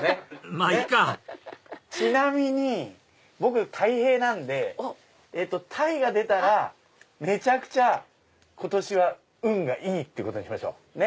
まぁいいかちなみに僕たい平なんで鯛が出たらめちゃくちゃ今年は運がいいってことにしましょう。